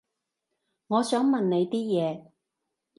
我想問你啲嘢